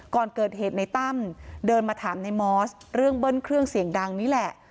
ก่อนเกิดเหตุในตั้มเดินมาถามในมอสเรื่องเบิ้ลเครื่องเสียงดังนี่แหละ